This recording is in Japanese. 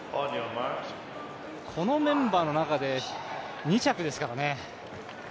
このメンバーの中で２着ですからね